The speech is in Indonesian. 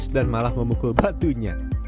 dan malah memukul batunya